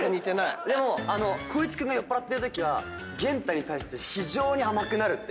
でも光一君が酔っぱらってるときは元太に対して非常に甘くなる。